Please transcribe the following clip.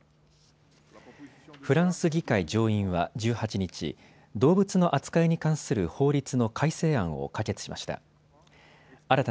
フランス議会上院は１８日、動物の扱いに関する法律の改正案を可決しました。